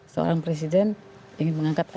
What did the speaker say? seorang presiden ingin mengangkat